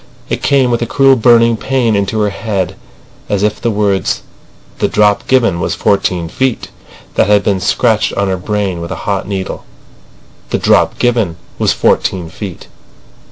It came with a cruel burning pain into her head, as if the words "The drop given was fourteen feet" had been scratched on her brain with a hot needle. "The drop given was fourteen feet."